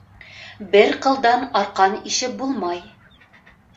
Бер ҡылдан арҡан ишеп булмай.